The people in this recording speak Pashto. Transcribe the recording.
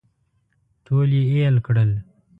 ټول یې اېل کړل.